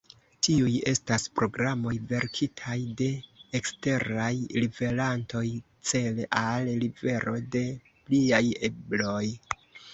Tiuj estas programoj verkitaj de eksteraj liverantoj, cele al livero de pliaj ebloj.